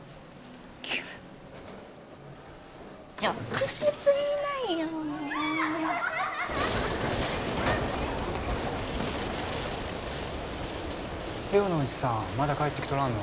直接言いないよ寮のおじさんまだ帰ってきとらんの？